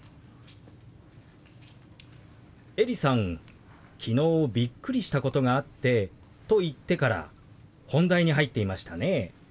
エリさん「昨日びっくりしたことがあって」と言ってから本題に入っていましたね。